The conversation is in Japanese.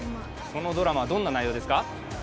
そのドラマ、どんな内容ですか？